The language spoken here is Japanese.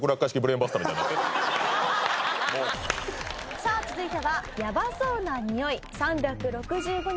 さあ続いては「ヤバそうな匂い３６５日